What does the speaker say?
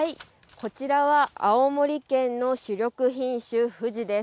こちらは青森県の主力品種、ふじです。